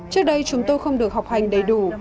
trước đây chúng tôi không được học hành đầy đủ